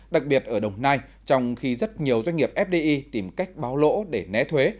đặc biệt ở đồng nai trong khi rất nhiều doanh nghiệp fdi tìm cách báo lỗ để né thuế